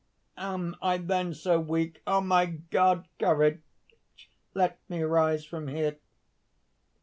_) "Am I, then, so weak, O my God! Courage, let me rise from here!"